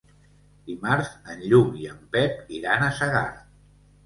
Dimarts en Lluc i en Pep iran a Segart.